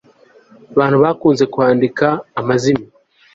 abantu bakunze kuhandika amazimwe